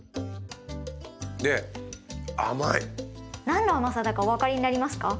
何の甘さだかお分かりになりますか？